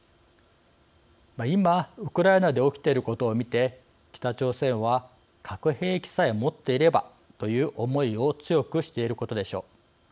今、ウクライナで起きていることを見て、北朝鮮は核兵器さえ持っていればという思いを強くしていることでしょう。